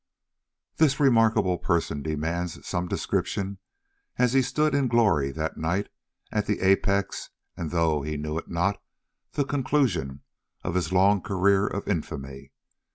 This remarkable person demands some description as he stood in glory that night, at the apex and, though he knew it not, the conclusion of his long career of infamy.